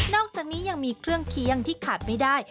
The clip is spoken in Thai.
อกจากนี้ยังมีเครื่องเคียงที่ขาดไม่ได้